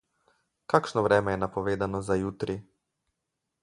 Kakšno vreme je napovedano za jutri?